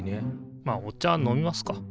まあお茶飲みますか。